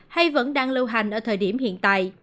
hay vẫn đang lưu hành ở thời điểm hiện tại